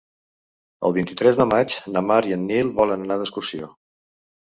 El vint-i-tres de maig na Mar i en Nil volen anar d'excursió.